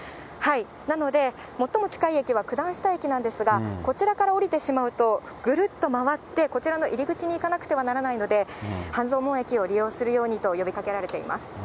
なので、最も近い駅は九段下駅なんですが、こちらから降りてしまうと、ぐるっと回って、こちらの入り口に行かなくてはならないので、半蔵門駅を利用するようにと呼びかけられています。